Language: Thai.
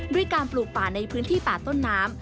ด้วยการปลูกป่าในพื้นที่ป่าต้นน้ำ